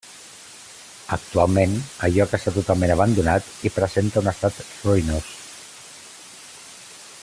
Actualment el lloc està totalment abandonat i presenta un estat ruïnós.